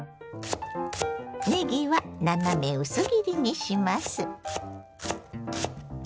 ねぎは斜め薄切りにします。